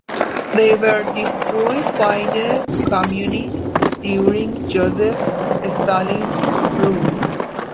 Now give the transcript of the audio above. They were destroyed by the Communists during Joseph Stalin's rule.